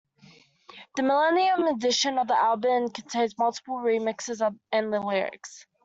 The millennium edition of the album contains multiple remixes and the lyrics.